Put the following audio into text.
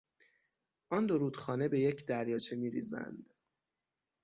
آن دو رودخانه به یک دریاچه میریزند.